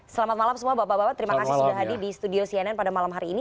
selamat malam semua bapak bapak terima kasih sudah hadir di studio cnn pada malam hari ini